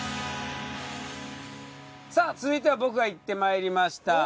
さあ続いては僕が行ってまいりました。